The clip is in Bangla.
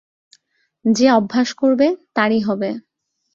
যে অভ্যাস করবে, তারই হবে।